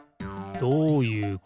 どういうこと？